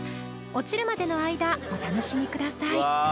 落ちるまでの間お楽しみください